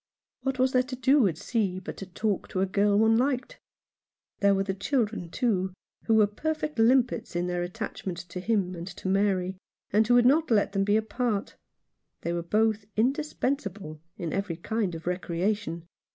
What was there to do at sea but to talk to a girl one liked ? There were the children, too, who were perfect limpets in their attachment to him and to Mary, and who would not let them be apart. They were both indispensable in every kind of recreation.